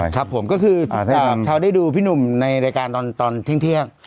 ครับผมก็คือชาวได้ดูพี่หนุ่มในรายการตอนเที่ยง